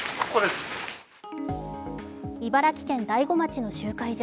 茨城県大子町の集会所。